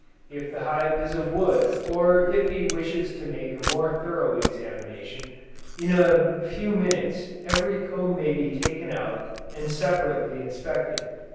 If the hive is of wood, or if he wishes to make a more thorough examination, in a few minutes every comb may be taken out, and separately inspected.